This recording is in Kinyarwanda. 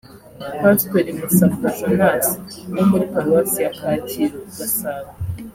Pastori Musabwa Jonas wo muri Paruwasi ya Kacyiru (Gasabo)